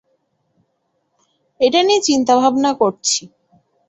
এটা নিয়ে চিন্তাভাবনা করছি।